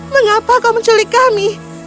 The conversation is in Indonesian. mengapa kau menculik kami